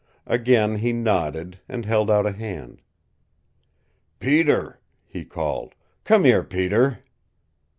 Again he nodded, and held out a hand. "Peter," he called. "Come here, Peter!"